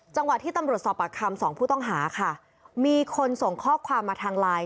จังหวะที่ตำรวจสอบปากคำสองผู้ต้องหาค่ะมีคนส่งข้อความมาทางไลน์